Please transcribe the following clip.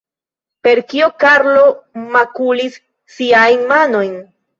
Per kio Karlo makulis siajn manojn?